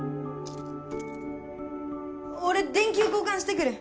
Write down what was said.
俺電球交換してくる。